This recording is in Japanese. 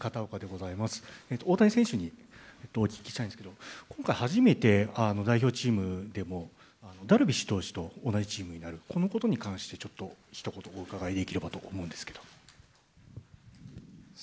大谷選手にお聞きしたいんですけど、今回初めて、代表チームでも、ダルビッシュ投手と同じチームになる、このことに関してちょっとひと言お伺いできればと思うんですけど。